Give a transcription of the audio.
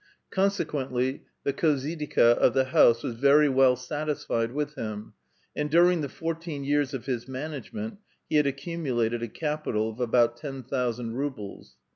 Consequently the khozydXka of the house was very well satisfied with him, and during the fourteen years of his management he had accumulated a capital of about ten thousand rubles.